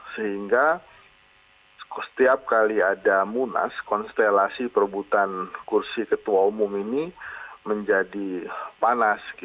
sehingga setiap kali ada munas konstelasi perebutan kursi ketua umum ini menjadi panas